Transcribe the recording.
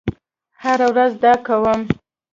هره ورځ دا کوم